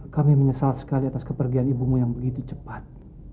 kami menyesal sekali atas kepergian ibumu yang begitu cepat